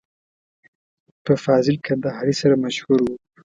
په فاضل کندهاري سره مشهور و.